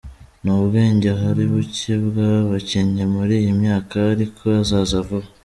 Ni ubwenge ahari bucye bw’abakinnyi muri iyi myaka ariko azaza vuba.